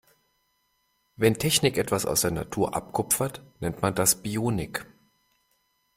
Wenn Technik etwas aus der Natur abkupfert, nennt man das Bionik.